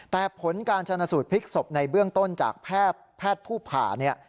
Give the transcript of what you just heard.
แต่ผลการชนะสูตรพลิกศพในเบื้องต้นจากแพทย์ผู้ผ่าเนี่ย